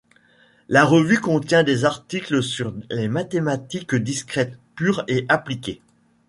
La revue contient des articles sur les mathématiques discrètes pures et appliquées.